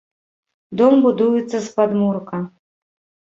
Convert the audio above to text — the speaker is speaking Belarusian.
Дом будуецца з падмурка.